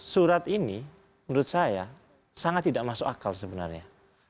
surat ini menurut saya sangat tidak masuk akal sebenarnya